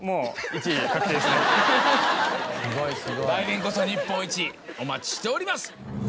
来年こそ日本一お待ちしております。